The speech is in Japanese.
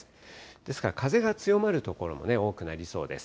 ですから、風が強まる所も多くなりそうです。